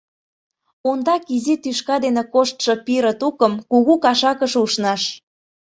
Ондак изи тӱшка дене коштшо пире тукым кугу кашакыш ушныш.